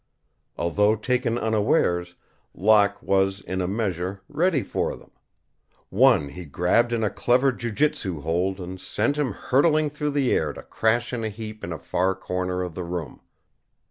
Although taken unawares, Locke was, in a measure, ready for them. One he grabbed in a clever jiu jitsu hold and sent him hurtling through the air to crash in a heap in a far corner of the room.